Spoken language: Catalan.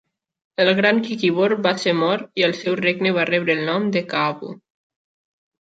El gran Kikibor va ser mort i el seu regne va rebre el nom de Kaabu.